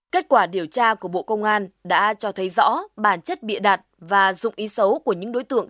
kết quả điều tra của bộ công an đã cho thấy rõ bản chất bịa đặt và dụng ý xấu của những đối tượng